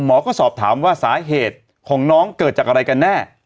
หมอก็สอบถามว่าสาเหตุของน้องเกิดจากอะไรกันแน่